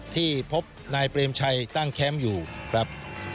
ที่พบนายเปรมชัยตั้งแคมป์อยู่ครับ